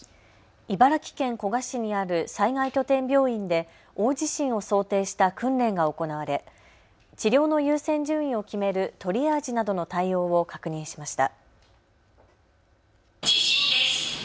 茨城県古河市にある災害拠点病院で大地震を想定した訓練が行われ治療の優先順位を決めるトリアージなどの対応を確認しました。